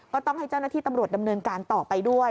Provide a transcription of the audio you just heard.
ก็ต้องให้เจ้าหน้าที่ตำรวจดำเนินการต่อไปด้วย